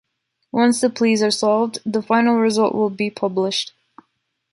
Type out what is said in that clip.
Once the pleas are solved, the final result will be published.